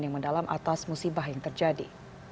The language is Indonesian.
yang mendalam atas musibah yang terjadi